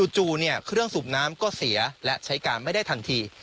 จู่เครื่องสูบน้ำก็เสียและใช้การไม่ได้ทันที